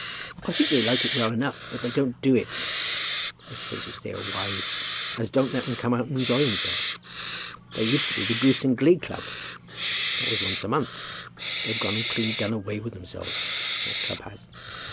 "I think they like it well enough, but they don't do it. I suppose it's their wives as don't let 'em come out and enjoy theirselves. There used to be the Goose and Glee club; that was once a month. They've gone and clean done away with themselves, that club has.